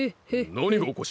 なにがおかしい？